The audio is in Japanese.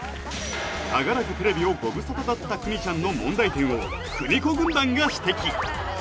長らくテレビをご無沙汰だった邦ちゃんの問題点を邦子軍団が指摘！